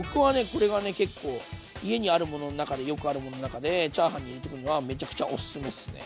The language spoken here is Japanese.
これがね結構家にあるものの中でよくあるものの中でチャーハンに入れてくにはめちゃくちゃおすすめですね。